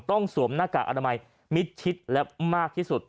สวมหน้ากากอนามัยมิดชิดและมากที่สุด